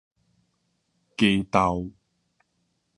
雞豆